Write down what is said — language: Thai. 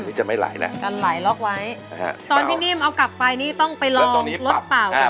อันนี้จะไม่ไหลน่ะกันไหลล๊อคไว้ตอนพี่ดิมเอากลับไปนี่ต้องไปลองรถเป่าก่อนนะ